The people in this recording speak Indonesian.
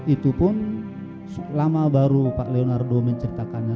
itu pun lama baru pak leonardo menceritakannya